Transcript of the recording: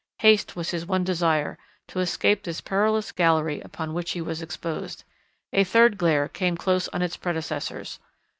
Haste was his one desire, to escape this perilous gallery upon which he was exposed. A third glare came close on its predecessors.